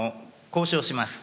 「交渉します